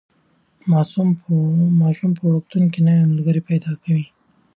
ماسوم په وړکتون کې نوي ملګري پیدا کوي.